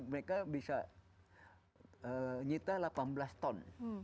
mereka bisa nyita delapan belas ton